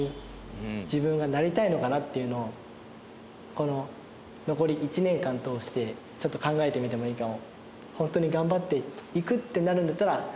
この残り１年間通してちょっと考えてみてもいいかも。